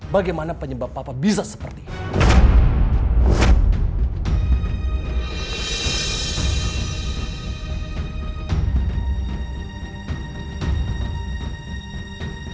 bagaimana penyebab papa bisa seperti ini